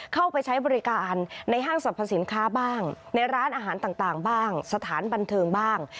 เข้าไปใช้บริการในห้างสรรพสินค้าบ้างในร้านอาหารต่างบ้างสถานบันเทิงบ้าง